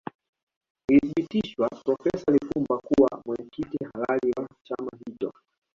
Ilithibitishwa profesa Lipumba kuwa mwenyekiti halali wa chama hicho